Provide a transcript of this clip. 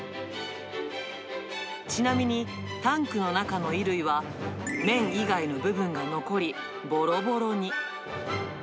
ちなみにタンクの中の衣類は、綿以外の部分が残り、ぼろぼろに。